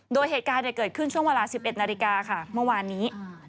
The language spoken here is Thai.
โดยเหตุการณ์เกิดขึ้นช่วงเวลา๑๑นาฬิกาค่ะเมื่อวานนี้